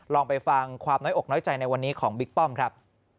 ลองไปฟังความน้อยอกน้อยใจในวันนี้ของบิ๊กป้อมครับ